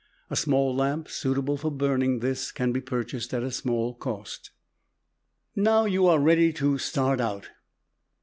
A small lamp suitable for burning this can be purchased at a small cost. Now you are ready to start out.